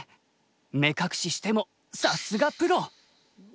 目隠ししてもさすがプロ！